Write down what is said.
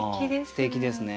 すてきですね。